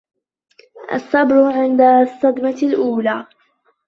الصبر عند الصدمة الأولى